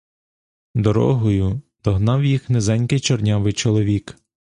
Дорогою догнав їх низенький чорнявий чоловік.